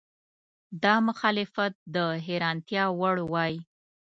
دا مخالفت د حیرانتیا وړ وای.